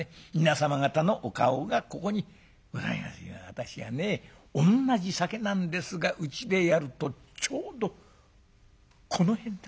私はね同じ酒なんですがうちでやるとちょうどこの辺。